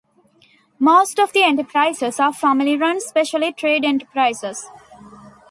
Most of the enterprises are family-run, especially trade enterprises.